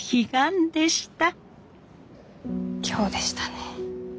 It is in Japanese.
今日でしたね。